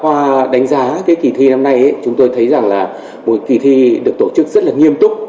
qua đánh giá cái kỳ thi năm nay chúng tôi thấy rằng là một kỳ thi được tổ chức rất là nghiêm túc